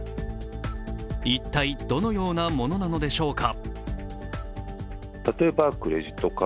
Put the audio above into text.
一体どのようなものなのでしょうか。